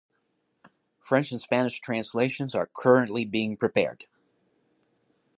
French and Spanish translations are currently being prepared.